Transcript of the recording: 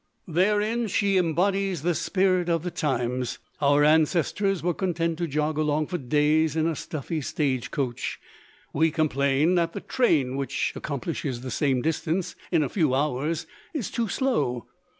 Therein she embodies the spirit of the times. Our ancestors were content to jog along for days in a stuffy stage coach; we complain that the train which accomplishes the same distance in a few hours is too slow.